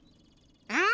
うん！